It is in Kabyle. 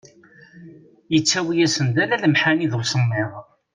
Yettawi-asen-d ala lemḥani d usemmiḍ.